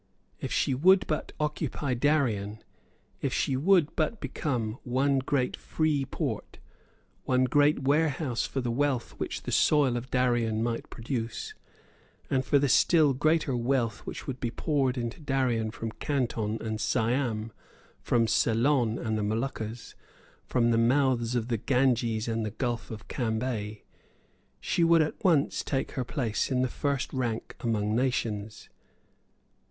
If she would but occupy Darien, if she would but become one great free port, one great warehouse for the wealth which the soil of Darien might produce, and for the still greater wealth which would be poured into Darien from Canton and Siam, from Ceylon and the Moluccas, from the mouths of the Ganges and the Gulf of Cambay, she would at once take her place in the first rank among nations.